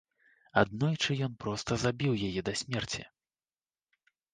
Аднойчы ён проста забіў яе да смерці.